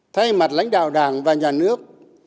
thay mặt lãnh đạo đảng và nhà nước